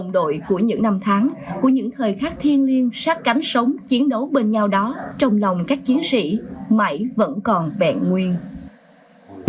trong lòng các chiến sĩ mãi vẫn còn bẹn nguyên